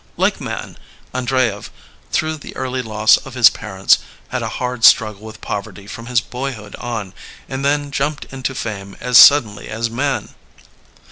Like Man, Andreyev, through the early loss of his parents, had a hard struggle with poverty from his boyhood on, and then jumped into fame as suddenly as Man.